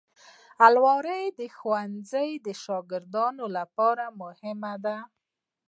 الماري د ښوونځي شاګردانو لپاره مهمه ده